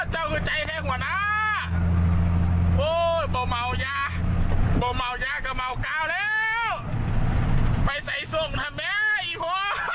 โฮ้ให้แดนไหนโตโห